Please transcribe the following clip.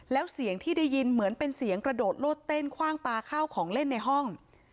แล้วเสียงที่ได้ยินเหมือนเป็นเสียงกระโดดโลดเต้นคว่างปลาข้าวของเล่นในห้อง